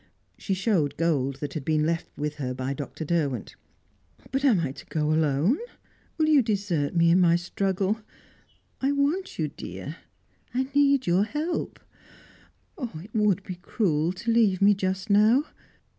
She showed gold that had been left with her by Dr. Derwent. "But am I to go alone? Will you desert me in my struggle? I want you, dear; I need your help. Oh, it would be cruel to leave me just now!